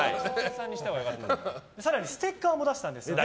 更にステッカーも出したんですね。